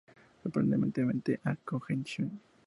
Sorprendentemente, A. Cohen y Sh.